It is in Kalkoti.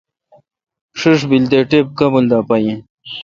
بیل تے ٹپ کابل دا پا یین۔